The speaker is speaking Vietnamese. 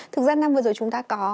thực ra năm vừa rồi chúng ta có